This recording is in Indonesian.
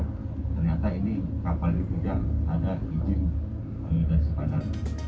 ternyata ini kapal ini juga ada izin dari samadar